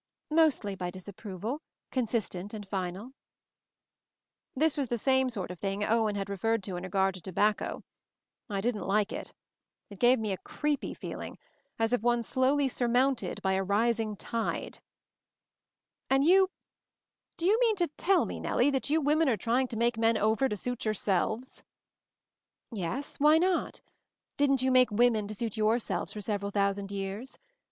"Mostly by disapproval, consistent and final." This was the same sort of thing Owen had referred to in regard to tobacco. I didn't like it. It gave me a creepy feeling, as of one slowly surmounted by a rising tide. "Are you — do you mean to tell me, Nellie, cc 150 MOVING THE MOUNTAIN that you women are trying to make men over to suit yourselves ?" "Yes. Why not? Didn't you make women to suit yourselves for several thou sand years?